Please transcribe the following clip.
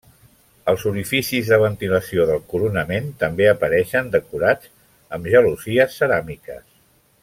Els orificis de ventilació del coronament també apareixen decorats amb gelosies ceràmiques.